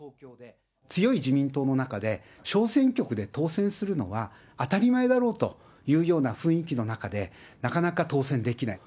強い自民党の中で、小選挙区で当選するのは当たり前だろうというような雰囲気の中で、なかなか当選できない。